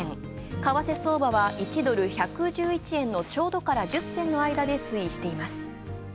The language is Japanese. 為替相場は１ドル１１１円のちょうどから、１０銭の間で推移しています。